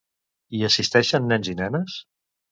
Hi assistien nens i nenes?